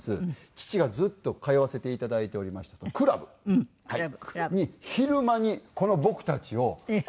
父がずっと通わせていただいておりましたクラブに昼間にこの僕たちを車で北新地に。